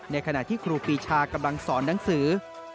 ในขณะที่ครูปีชากำลังสอนหนังสือ